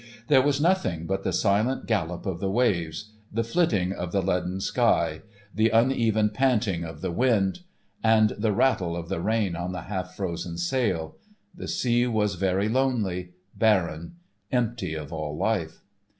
There was nothing but the silent gallop of the waves, the flitting of the leaden sky, the uneven panting of the wind, and the rattle of the rain on the half frozen sail. The sea was very lonely, barren, empty of all life.